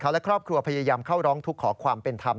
และครอบครัวพยายามเข้าร้องทุกข์ขอความเป็นธรรม